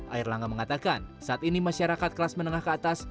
air langga mengatakan saat ini masyarakat kelas menengah ke atas